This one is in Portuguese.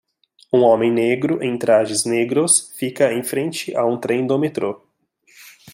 Um homem negro em trajes negros fica em frente a um trem do metrô.